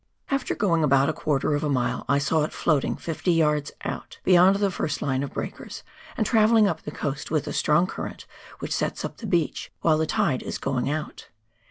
After going about a quarter of a mile I saw it floating 50 yards out, beyond the first line of breakers, and travelling up the coast with the strong current which sets up the beach when the tide is going out.